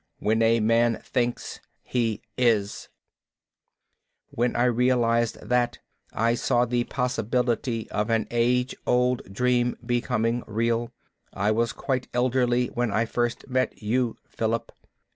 When a man thinks, he is. "When I realized that, I saw the possibility of an age old dream becoming real. I was quite elderly when I first met you, Philip.